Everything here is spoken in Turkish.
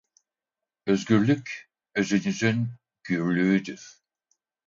Özgürlük, özünüzün gürlüğüdür.